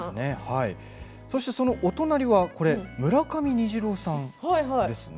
そして、そのお隣は村上虹郎さんですね。